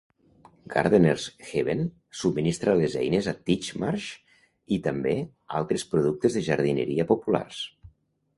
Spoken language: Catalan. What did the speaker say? "Gardeners' Heaven" subministra les eines a Titchmarsh i també altres productes de jardineria populars.